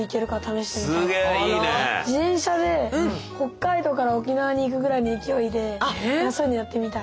自転車で北海道から沖縄に行くぐらいの勢いでそういうのやってみたい。